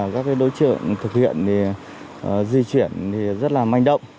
các đối tượng thực hiện thì di chuyển thì rất là manh động